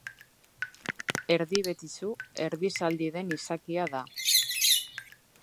Erdi betizu, erdi zaldi den izakia da.